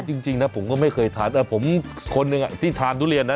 จริงนะผมก็ไม่เคยทานผมคนหนึ่งที่ทานทุเรียนนะ